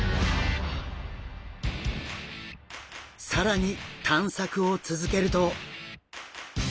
更に探索を続けると。